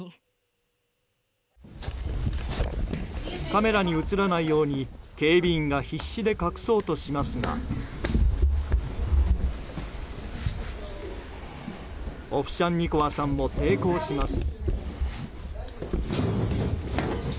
カメラに映らないように警備員が必死で隠そうとしますがオフシャンニコワさんも抵抗します。